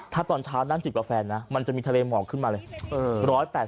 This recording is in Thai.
ถ้าตอนเช้านั่งจิบกาแฟนะมันจะมีทะเลหมอกขึ้นมาเลย